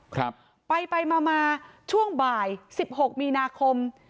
ครับไปไปมามาช่วงบ่ายสิบหกมีนาคม